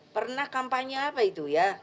pernah kampanye apa itu ya